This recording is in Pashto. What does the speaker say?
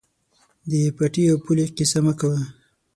د پټي او پولې قیصه مه کوه.